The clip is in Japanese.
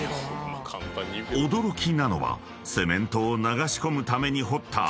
［驚きなのはセメントを流し込むために掘った］